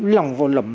lòng vô lòng